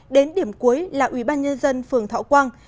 đến điểm cuối là ubnd phường thọ quang